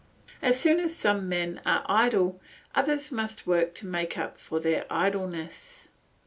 As soon as some men are idle, others must work to make up for their idleness.